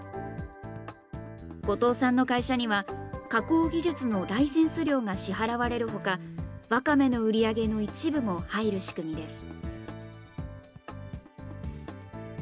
後藤さんの会社には、加工技術のライセンス料が支払われるほか、わかめの売り上げの一部も入る仕組みです。